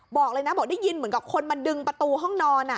บอกเลยนะบอกได้ยินเหมือนกับคนมาดึงประตูห้องนอน